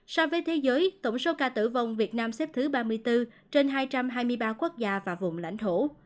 so với thế giới tổng số ca tử vong việt nam xếp thứ ba mươi bốn trên hai trăm hai mươi ba quốc gia và vùng lãnh thổ